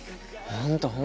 本当。